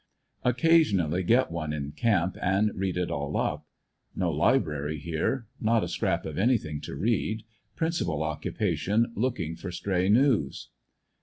Occasionally get one in camp, and read it all up. No library here. Not a scrap of anything to read; principal occu pation looking for stray news.